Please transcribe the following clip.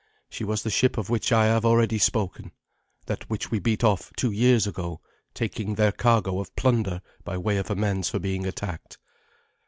She was the ship of which I have already spoken that which we beat off two years ago, taking their cargo of plunder by way of amends for being attacked.